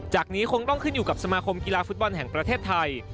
นี้คงต้องขึ้นอยู่กับสมาคมกีฬาฟุตบอลแห่งประเทศไทย